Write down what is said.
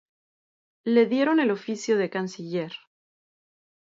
Le dieron el oficio de canciller.